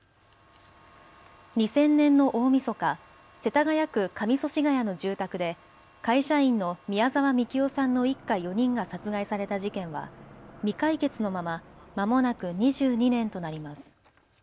２０００年の大みそか、世田谷区上祖師谷の住宅で会社員の宮沢みきおさんの一家４人が殺害された事件は未解決のまままもなく２２年となります。